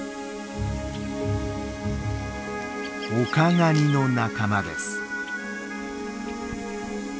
オカガニの仲間です。